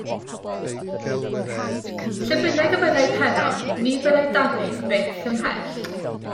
Lle bynnag y byddai Pero, ni byddai Dafydd byth ymhell.